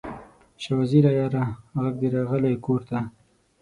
شاه وزیره یاره، ږغ دې راغلی کور ته